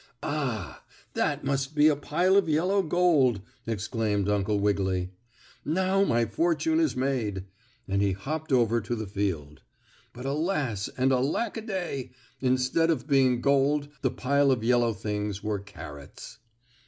"Ah, that must be a pile of yellow gold!" exclaimed Uncle Wiggily. "Now my fortune is made!" and he hopped over to the field. But alas! and alack a day! Instead of being gold the pile of yellow things were carrots.